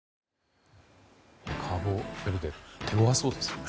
カーボベルデ手ごわそうですよね。